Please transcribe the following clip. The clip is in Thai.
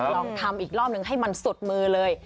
ลองทำอีกรอบนึงให้มันสุดมือเลย